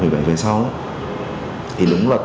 hai nghìn một mươi bảy về sau thì đúng luật